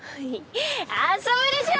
遊ぶでしょ！